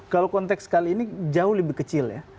kalau konteks kali ini jauh lebih kecil ya